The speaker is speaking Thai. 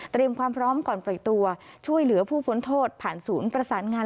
ความพร้อมก่อนปล่อยตัวช่วยเหลือผู้พ้นโทษผ่านศูนย์ประสานงาน